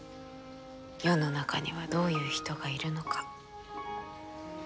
世の中にはどういう人がいるのか。